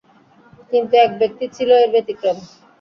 কিন্তু এক ব্যক্তি ছিল এর ব্যতিক্রম।